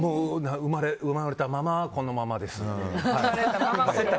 生まれたままこのままです。